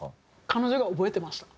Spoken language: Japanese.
彼女が覚えてました。